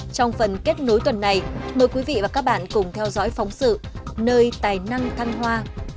trong phần kết nối tuần này mời quý vị và các bạn cùng theo dõi phóng sự nơi tài năng thăng hoa